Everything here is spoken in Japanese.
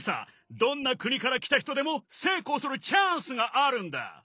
どんな国から来た人でも成功するチャンスがあるんだ！